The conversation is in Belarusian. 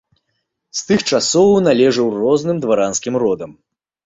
З тых часоў належыў розным дваранскім родам.